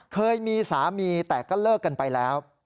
เคยมีสามีแต่ก็เลิกกันไปแล้ว